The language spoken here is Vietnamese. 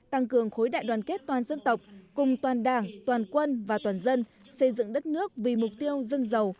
tăng cường khối đại đoàn kết toàn dân tộc cùng toàn đảng toàn quân và toàn dân xây dựng đất nước vì mục tiêu dân giàu